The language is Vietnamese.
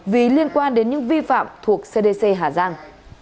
vì liên quan đến những vi phạm thuộc cdc hà giang